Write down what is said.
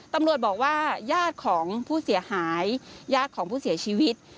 ตำรวจบอกว่าญาติของผู้เสียหายญาติของผู้เสียชีวิต